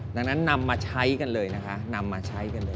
ดังนั้นนำมาใช้กันเลยนะคะ